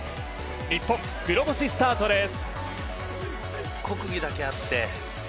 日本、黒星スタートです。